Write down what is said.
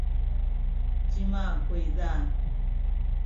cima kuyza?